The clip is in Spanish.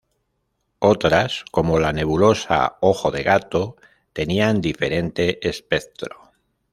Otras como la Nebulosa Ojo de Gato, tenían diferente espectro.